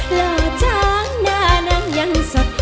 เหล่าช้างหน้านั้นยังสด